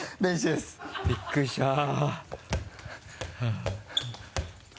びっくりした。